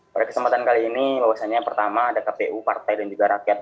pada kesempatan kali ini bahwasannya pertama ada kpu partai dan juga rakyat